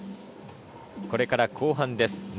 これから後半です。